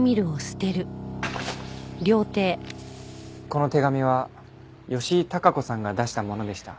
この手紙は吉井貴子さんが出したものでした。